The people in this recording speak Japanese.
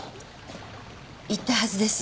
言ったはずです